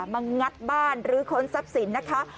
งัดบ้านหรือค้นทรัพย์สินนะคะ